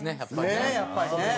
ねえやっぱりね。